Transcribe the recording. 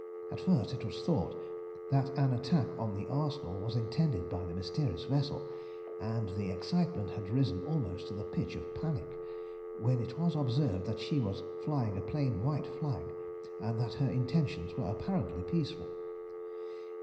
At first it was thought that an attack on the arsenal was intended by the mysterious vessel, and the excitement had risen almost to the pitch of panic, when it was observed that she was flying a plain white flag, and that her intentions were apparently peaceful.